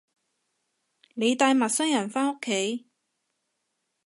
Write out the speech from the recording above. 你帶陌生人返屋企